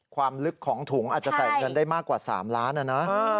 ความลึกของถุงอาจจะใส่เงินได้มากกว่า๓ล้านนะนะ